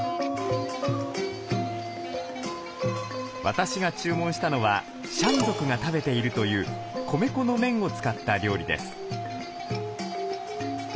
私が注文したのはシャン族が食べているという米粉の麺を使った料理です。